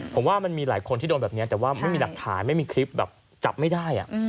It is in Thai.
ผมว่ามันมีหลายคนที่โดนแบบนี้แต่ว่าไม่มีหลักฐานไม่มีคลิปแบบจับไม่ได้